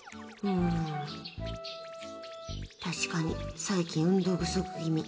確かに最近、運動不足気味。